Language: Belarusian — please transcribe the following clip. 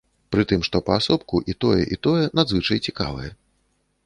Пры тым, што паасобку, і тое, і тое надзвычай цікавае.